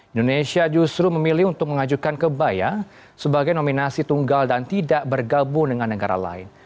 indonesia justru memilih untuk mengajukan kebaya sebagai nominasi tunggal dan tidak bergabung dengan negara lain